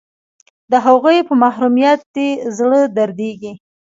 د هغوی په محرومیت دې زړه دردیږي